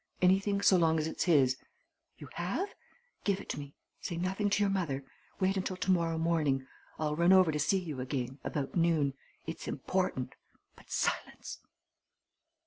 Anything so long as it's his. You have? Give it to me say nothing to your mother. Wait until tomorrow morning. I'll run over to see you again about noon. It's important but silence!"